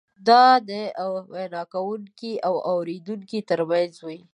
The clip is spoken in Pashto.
دا د وینا کوونکي او اورېدونکي ترمنځ وي.